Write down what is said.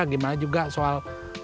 bagaimana juga soal